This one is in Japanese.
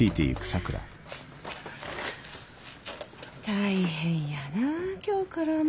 大変やなあ今日からもう。